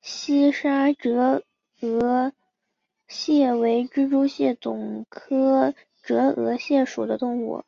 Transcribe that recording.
西沙折额蟹为蜘蛛蟹总科折额蟹属的动物。